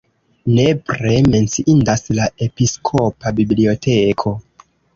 Nepre menciindas la episkopa biblioteko.